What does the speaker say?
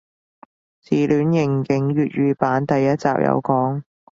自戀刑警粵語版第一集有講